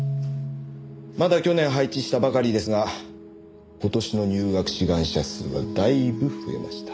まだ去年配置したばかりですが今年の入学志願者数はだいぶ増えました。